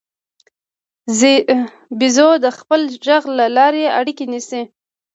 بیزو د خپل غږ له لارې اړیکه نیسي.